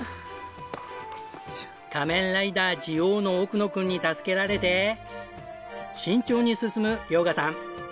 仮面ライダージオウの奥野君に助けられて慎重に進む遼河さん。